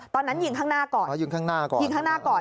ตอนนั้นยิงข้างหน้าก่อน